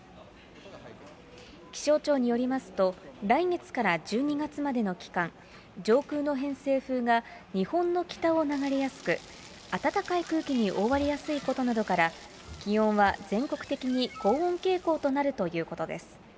気象庁によりますと、来月から１２月までの期間、上空の偏西風が日本の北を流れやすく、暖かい空気に覆われやすいことなどから、気温は全国的に高温傾向となるということです。